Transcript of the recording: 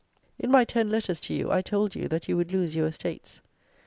In my ten Letters to you, I told you that you would lose your estates.